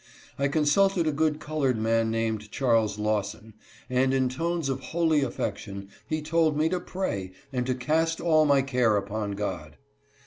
I consulted a good colored man named Charles Lawson, and in tones of holy affection he told me to pray, and to " cast all my care upon God."